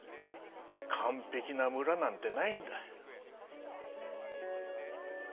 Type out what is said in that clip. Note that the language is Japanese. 完ぺきな村なんてないんだ。